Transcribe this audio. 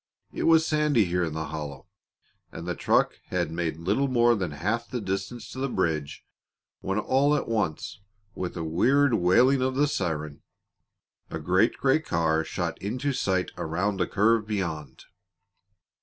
It was sandy here in the hollow, and the truck had made little more than half the distance to the bridge when all at once, with a weird wailing of the siren, a great gray car shot into sight around a curve beyond.